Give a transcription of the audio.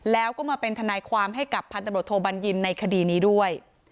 แล้วก็มาเป็นทนายความให้กับพันตำรวจโทบัญญินในคดีนี้ด้วย